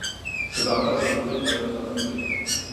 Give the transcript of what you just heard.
• صداقت د دوستۍ قایم ساتونکی دی.